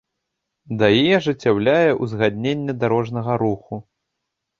ДАІ ажыццяўляе ўзгадненне дарожнага руху